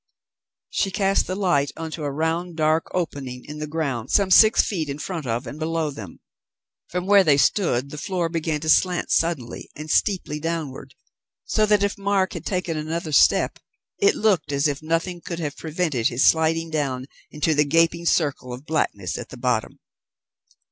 She cast the light on to a round dark opening in the ground some six feet in front of and below them. From where they stood the floor began to slant suddenly and steeply downward, so that if Mark had taken another step, it looked as if nothing could have prevented his sliding down into the gaping circle of blackness at the bottom.